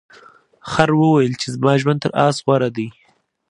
خر وویل چې زما ژوند تر اس غوره دی.